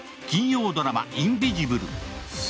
金曜ドラマ「インビジブル」。